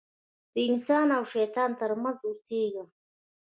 د انسان او شیطان تر منځ اوسېږم.